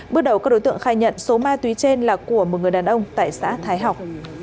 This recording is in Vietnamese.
bước đầu các đối tượng khai nhận số ma túy trên là của một người đàn ông tại xã thái học